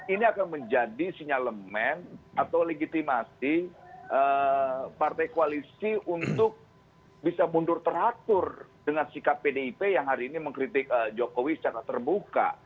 ini akan menjadi sinyalemen atau legitimasi partai koalisi untuk bisa mundur teratur dengan sikap pdip yang hari ini mengkritik jokowi secara terbuka